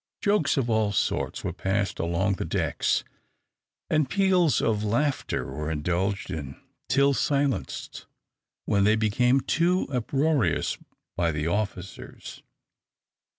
Jokes of all sorts were passed along the decks, and peals of laughter were indulged in, till silenced when they became too uproarious by the officers.